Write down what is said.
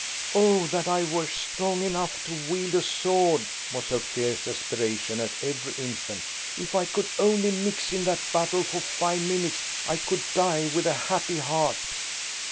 "Oh, that I were strong enough to wield a sword!" was her fierce aspiration every instant; "if I could only mix in that battle for five minutes, I could die with a happy heart!"